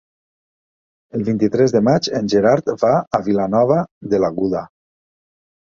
El vint-i-tres de maig en Gerard va a Vilanova de l'Aguda.